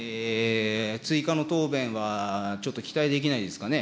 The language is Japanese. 追加の答弁はちょっと期待できないですかね。